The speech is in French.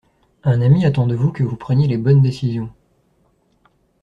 Un ami attend de vous que vous preniez les bonnes décisions.